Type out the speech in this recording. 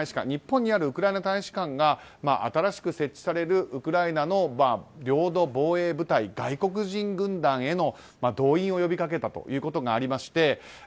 日本にあるウクライナ大使館が新しく設置されるウクライナの領土防衛部隊外国人軍団への動員を呼びかけたということがありまして